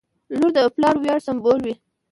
• لور د پلار د ویاړ سمبول وي.